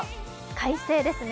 快晴ですね。